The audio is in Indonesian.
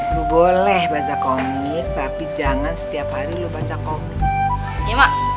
lu boleh baca komik tapi jangan setiap hari lu baca komik